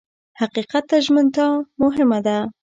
حقیقت ته ژمنتیا مهمه وه.